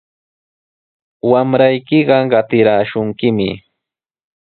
Wamraykiqa qatiraashunkimi.